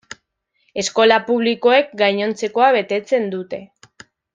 Eskola publikoek gainontzekoa betetzen dute.